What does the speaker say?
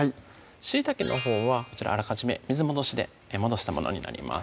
しいたけのほうはこちらあらかじめ水戻しで戻したものになります